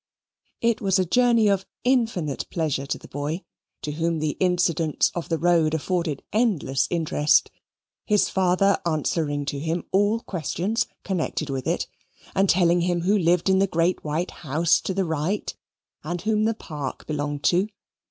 It was a journey of infinite pleasure to the boy, to whom the incidents of the road afforded endless interest, his father answering to him all questions connected with it and telling him who lived in the great white house to the right, and whom the park belonged to.